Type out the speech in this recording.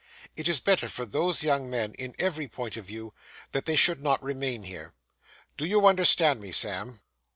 It is better for those young men, in every point of view, that they should not remain here. Do you understand me, Sam?